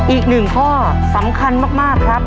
อีกหนึ่งข้อสำคัญมากครับ